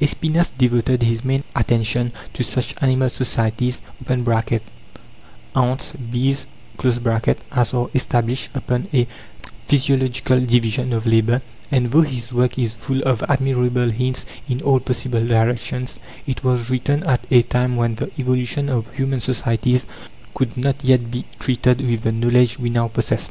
Espinas devoted his main attention to such animal societies (ants, bees) as are established upon a physiological division of labour, and though his work is full of admirable hints in all possible directions, it was written at a time when the evolution of human societies could not yet be treated with the knowledge we now possess.